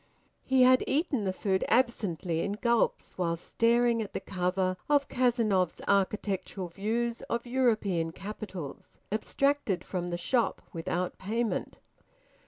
He had eaten the food absently in gulps while staring at the cover of "Cazenove's Architectural Views of European Capitals," abstracted from the shop without payment.